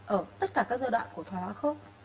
ở tất cả các giai đoạn của thoái hóa khớp